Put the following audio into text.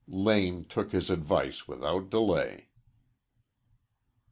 Lane took his advice without delay.